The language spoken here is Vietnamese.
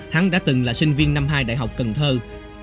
hắn đã từng là sinh viên năm hai đại học cần thơ